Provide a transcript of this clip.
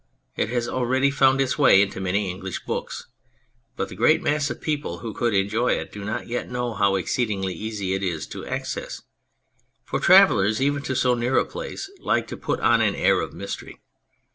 It has already found its way into many English books, but the great mass of people who could enjoy it do not yet know how exceedingly easy is its access. For travellers even to so near a place like to put on an air of mystery.